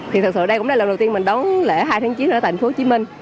thì thật sự đây cũng là lần đầu tiên mình đón lễ hai tháng chín ở thành phố hồ chí minh